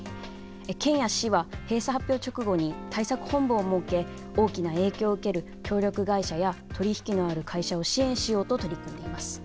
県や市は閉鎖発表直後に対策本部を設け大きな影響を受ける協力会社や取り引きのある会社を支援しようと取り組んでいます。